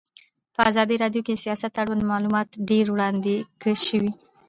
په ازادي راډیو کې د سیاست اړوند معلومات ډېر وړاندې شوي.